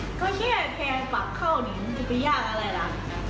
ก็แค่แค่ปั๊บเข้าหนีมันก็ไม่ยากอะไรล่ะ